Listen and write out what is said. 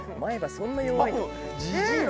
そんな弱いの？